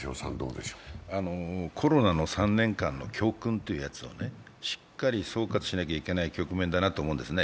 コロナの３年間の教訓というやつをしっかり総括しなきゃいけない局面だなと思うんですね。